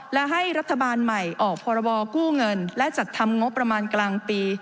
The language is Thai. และให้รัฐบาลใหม่ออกพรบกู้เงินและจัดทำงบประมาณกลางปี